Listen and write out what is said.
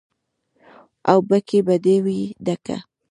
او بګۍ به دې وي ډکه